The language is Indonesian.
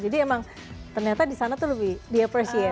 jadi emang ternyata di sana tuh lebih di appreciate